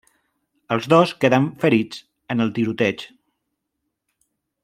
Els dos queden ferits en el tiroteig.